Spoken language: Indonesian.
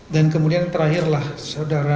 dan kemudian terakhirlah saudara miriam